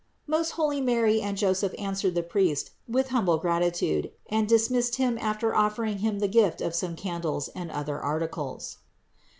Most holy Mary and Joseph an swered the priest with humble gratitude and dismissed him after offering him the gift of some candles and other articles.